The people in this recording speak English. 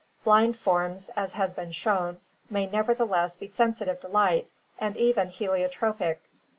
Blind forms, as has been shown, may nevertheless be sensitive to light and even heliotropic.